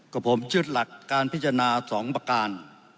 กับผมยึดหลักการพิจารณา๒ประการ